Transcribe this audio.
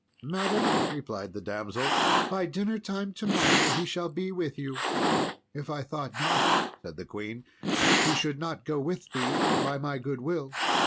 "Madam," replied the damsel, "by dinner time to morrow he shall be with you." "If I thought not," said the queen, "he should not go with thee by my goodwill."